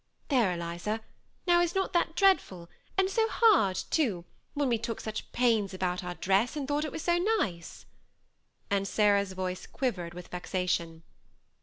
There, Eliza, now is not that dreadful, and so hard, too, when we took such pains about our dress, and thought it was so nice?" and Sarah's voice quivered with vexation.